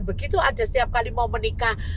begitu ada setiap kali mau menikah